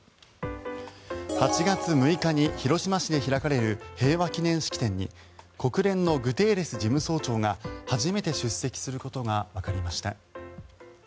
８月６日に広島市で開かれる平和記念式典に国連のグテーレス事務総長が初めて出席することがわかりました。